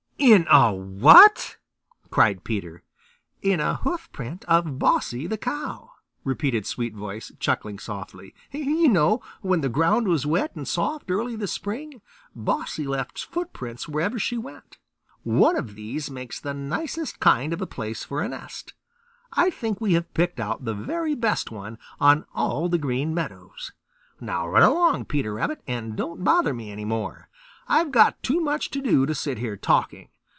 "In a WHAT?" cried Peter. "In a hoofprint of Bossy the Cow," repeated Sweetvoice, chuckling softly. "You know when the ground was wet and soft early this spring, Bossy left deep footprints wherever she went. One of these makes the nicest kind of a place for a nest. I think we have picked out the very best one on all the Green Meadows. Now run along, Peter Rabbit, and don't bother me any more. I've got too much to do to sit here talking.